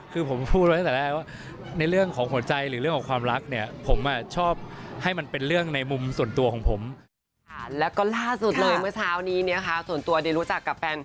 คือผมพูดไว้ตอนแรกว่าในเรื่องของข่าวใจ